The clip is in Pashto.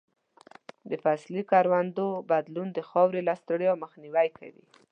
د فصلي کروندو بدلون د خاورې له ستړیا مخنیوی کوي.